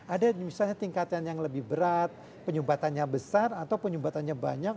ada misalnya tingkatan yang lebih berat penyumbatannya besar atau penyumbatannya banyak